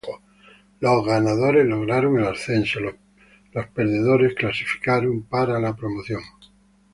Los ganadores lograron el ascenso, los perdedores clasificaron a la clasificación para la promoción.